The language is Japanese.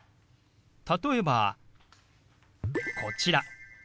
例えばこちら。